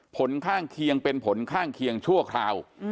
ผลข้างเคียงเป็นผลข้างเคียงชั่วคราว